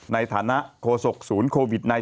ในฐานะโคศกศูนย์โควิด๑๙